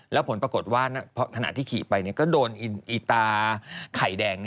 แล้วผลปรากฏว่าขณะที่ขี่ไปก็โดนอีตาไข่แดง